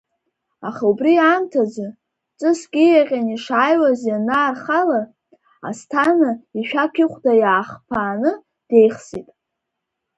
Аха убри аамҭазы, ҵыск ииаҟьаны ишааиуаз ианаархала, Асҭана ишәақь ихәда иаахԥааны деихсит.